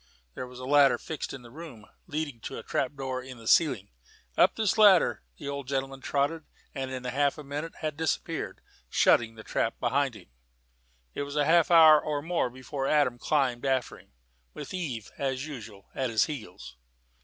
There was a ladder fixed in the room, leading to a trap door in the ceiling. Up this ladder the old gentleman trotted, and in half a minute had disappeared, shutting the trap behind him. It was half an hour or more before Adam climbed after him, with Eve, as usual, at his heels.